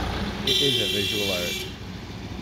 It is a visual art.